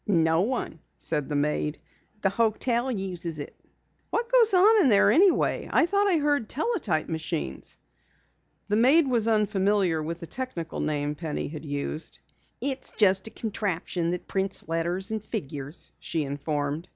"No one," said the maid. "The hotel uses it." "What goes on in there anyway? I thought I heard teletype machines." The maid was unfamiliar with the technical name Penny had used. "It's just a contraption that prints letters and figures," she informed.